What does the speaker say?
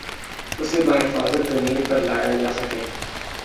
اسے بحفاظت زمین پر لایا جاسکے